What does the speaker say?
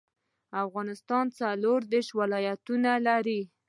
افغانستان څلور ديرش ولايتونه لري